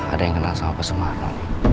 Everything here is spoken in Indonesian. ada yang kenal sama pesemarang